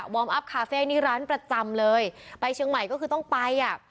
อัพคาเฟ่นี่ร้านประจำเลยไปเชียงใหม่ก็คือต้องไปอ่ะ